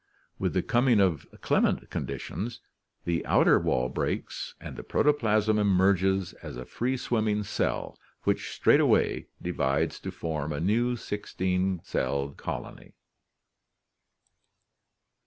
With the coming of clement conditions, the V outer wall breaks and the proto plasm emerges as a free swimming cell which straight way divides to form a new si x t can celled colony.